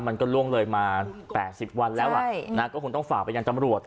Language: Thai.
มันก็ร่วงเลยมา๘๐วันแล้วคุณต้องฝากบรรยานตำรวจ